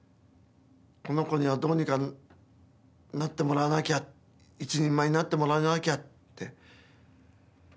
この子にはどうにかなってもらわなきゃ一人前になってもらわなきゃって。